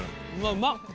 うまっ。